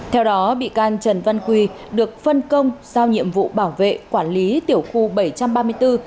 theo đó bị can trần văn quy được phân công giao nhiệm vụ bảo vệ quản lý tiểu khu bảy trăm ba mươi bốn